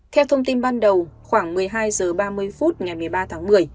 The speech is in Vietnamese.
theo thông tin ban đầu khoảng một mươi hai h ba mươi phút ngày một mươi ba tháng một mươi